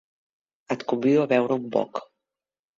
Et convido a beure un boc.